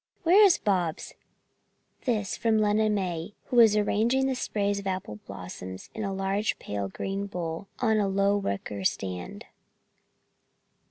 "Where is Bobs?" This from Lena May, who was arranging the sprays of apple blossoms in a large pale green bowl on a low wicker stand.